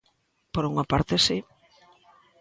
Por unha parte si.